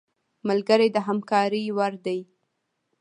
ملګری د همکارۍ وړ دی